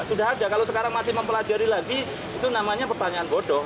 sudah ada kalau sekarang masih mempelajari lagi itu namanya pertanyaan bodoh